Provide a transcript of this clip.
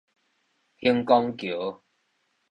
恆光橋